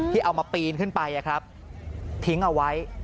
ที่เอามาปีนขึ้นไปครับทิ้งเอาไว้